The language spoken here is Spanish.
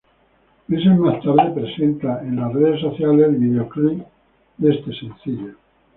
Meses más tarde presenta en las redes sociales el videoclip de este sencillo.